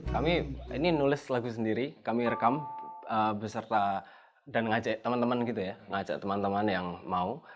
kami ini nulis lagu sendiri kami rekam beserta dan ngajak teman teman yang mau